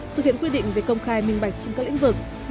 thực hiện quy định về công khai minh bạch trên các lĩnh vực